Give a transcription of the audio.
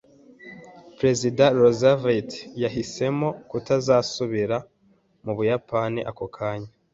Perezida Roosevelt yahisemo kutazasubira mu Buyapani ako kanya.